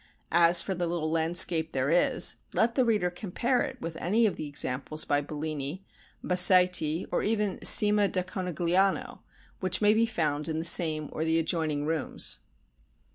As for the little landscape there is, let the reader compare it with any of the examples by Bellini, Basaiti, or even Cima da Conegliano, which may be found in the same or the adjoining rooms.